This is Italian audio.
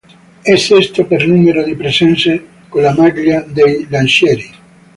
È sesto per numero di presenze con la maglia dei "Lancieri".